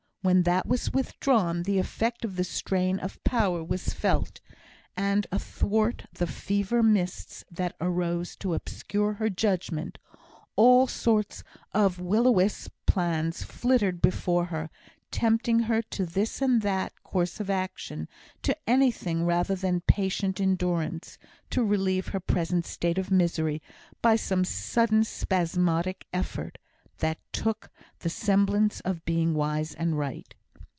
When that was withdrawn, the effect of the strain of power was felt. And athwart the fever mists that arose to obscure her judgment, all sorts of will o' the wisp plans flittered before her; tempting her to this and that course of action to anything rather than patient endurance to relieve her present state of misery by some sudden spasmodic effort, that took the semblance of being wise and right.